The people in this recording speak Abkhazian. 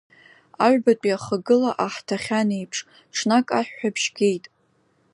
Аҩбатәи ахагыла аҳҭахьан еиԥш, ҽнак аҳәҳәабжь геит.